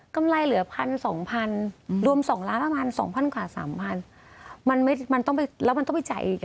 กำไรเหลือ๑๐๐๐๒๐๐๐รวม๒๐๐๐ประมาณ๒๐๐๐กว่า๓๐๐๐แล้วมันต้องไปจ่ายอีกหลายอย่างมันไม่พอหรอก